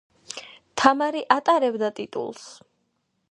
თამარი ატარებდა ტიტულს